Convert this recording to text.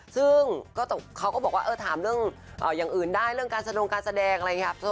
ซึ่งเขาก็บอกว่าถามเรื่องอย่างอื่นได้เรื่องการสะดงการแสดงอะไรอย่างนี้